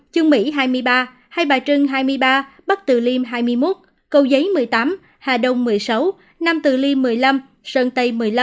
chương mỹ hai mươi ba hai bà trưng hai mươi ba bắc từ liêm hai mươi một cầu giấy một mươi tám hà đông một mươi sáu nam từ liêm một mươi năm sơn tây một mươi năm